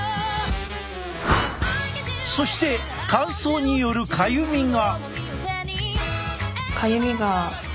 そして乾燥によるかゆみが。